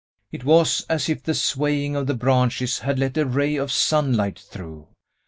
It was as if the swaying of the branches had let a ray of sunlight through.